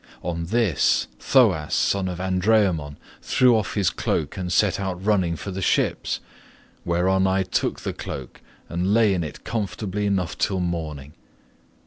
"On this Thoas son of Andraemon threw off his cloak and set out running to the ships, whereon I took the cloak and lay in it comfortably enough till morning.